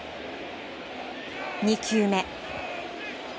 ２球目。